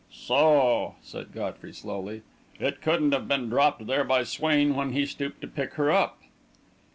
"So," said Godfrey slowly, "it couldn't have been dropped there by Swain when he stooped to pick her up."